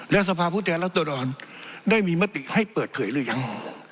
และสภาพและพ์ได้มีมติให้เปิดเผยหรือยัง